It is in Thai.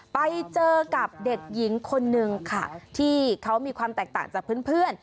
ไปเจอกับเด็กหญิงคนนึงค่ะที่เขามีความแตกต่างจากเพื่อน